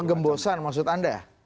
pengembosan maksud anda